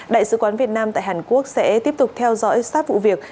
đại sứ quán việt nam tại hàn quốc sẽ tiếp tục theo dõi sát vụ việc